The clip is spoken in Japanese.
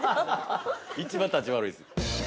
◆一番たち悪いです。